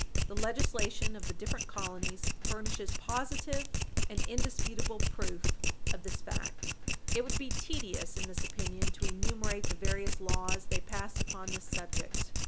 The legislation of the different colonies furnishes positive and indisputable proof of this fact. It would be tedious, in this opinion, to enumerate the various laws they passed upon this subject.